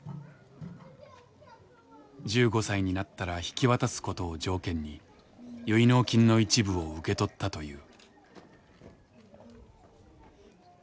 １５歳になったら引き渡すことを条件に結納金の一部を受け取ったという。